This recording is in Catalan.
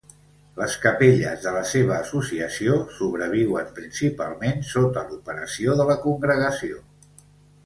Les capelles de la seva associació, sobreviuen principalment sota l'operació de la Congregació.